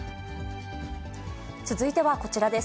続いてはこちらです。